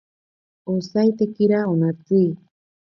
Osaitekira onatsi.